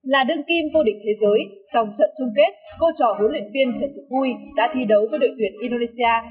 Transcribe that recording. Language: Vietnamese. là đương kim vô địch thế giới trong trận chung kết cô trò huấn luyện viên trần thực vui đã thi đấu với đội tuyển indonesia